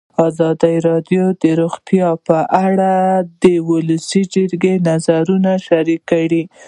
ازادي راډیو د روغتیا په اړه د ولسي جرګې نظرونه شریک کړي.